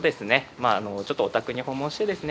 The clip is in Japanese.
まああのちょっとお宅に訪問してですね